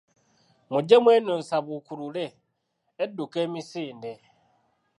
Mujje mu eno ensabuukulule, edduka emisinde.